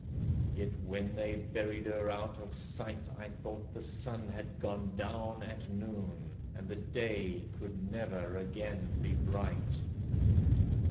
Yet when they buried her out of my sight I thought the sun had gone down at noon. And the day could never again be bright.